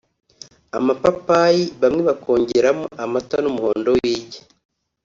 amapapayi bamwe bakongeramo amata n’umuhondo w’igi